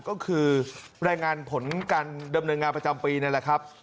ก็คือรายงานผลการดำเนินงานประจำปีนั่นแหละครับ